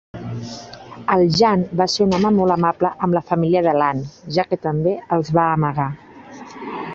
En Jan va ser un home molt amable amb la família de l'Anne, ja que també els va amagar.